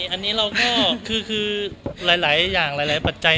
อันนี้เราก็คือหลายอย่างหลายปัจจัย